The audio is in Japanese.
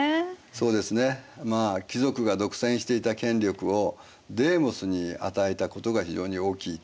そうですね貴族が独占していた権力をデーモスに与えたことが非常に大きい。